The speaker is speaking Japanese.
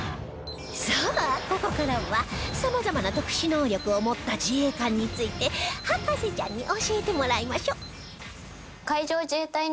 さあここからは様々な特殊能力を持った自衛艦について博士ちゃんに教えてもらいましょ